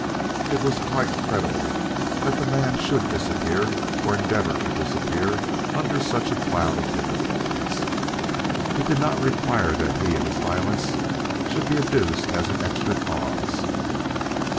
It was quite credible that the man should disappear, or endeavor to disappear, under such a cloud of difficulties. It did not require that he and his violence should be adduced as an extra cause.